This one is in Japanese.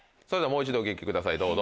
それではもう一度お聞きください